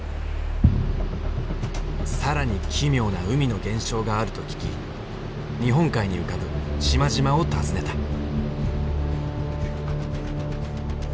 更に奇妙な海の現象があると聞き日本海に浮かぶ島々を訪ねた。